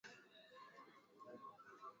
Ni mchezaji pekee kuwahi kutokea kuzoa tuzo sita